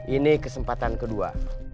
ini kesempatan kedua